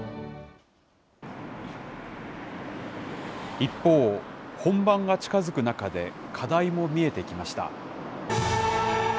一方、本番が近づく中で課題も見えてきました。